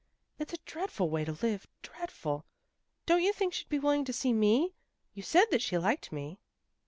It's a dreadful way to live, dreadful! Don't you think she'd be willing to see me? You said that she liked me."